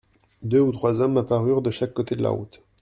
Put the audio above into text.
Deux ou trois hommes apparurent de chaque côté de la route.